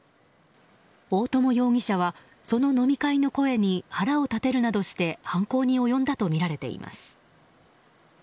大友容疑者は、その飲み会の声に腹を立てるなどして犯行に及んだとみられています。